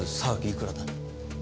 いくらだ？